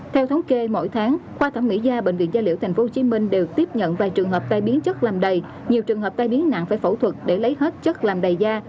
theo thống kê mỗi tháng khoa thẩm mỹ gia bệnh viện gia liễu tp hcm đều tiếp nhận vài trường hợp tai biến chất làm đầy nhiều trường hợp tai biến nặng phải phẫu thuật để lấy hết chất làm đầy da